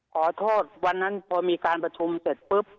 ขอโทษวันนั้นพอมีการประชุมเสร็จปุ๊บ